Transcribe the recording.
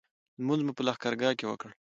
لمونځ مو په لښکرګاه کې وکړ.